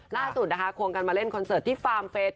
ล่าสุดนะคะควงกันมาเล่นคอนเสิร์ตที่ฟาร์มเฟส